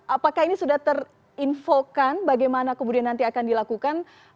apakah ini sudah terinfokan bagaimana kemudian nanti akan dilakukan